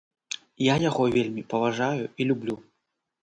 Я яго вельмі паважаю і люблю.